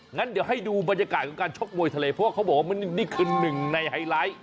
งั้นเดี๋ยวให้ดูบรรยากาศของการชกมวยทะเลเพราะว่าเขาบอกว่านี่คือหนึ่งในไฮไลท์